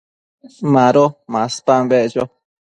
Mado maspan beccho